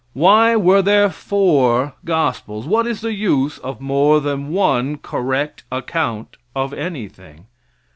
Why were there four gospels? What is the use of more than one correct account of anything?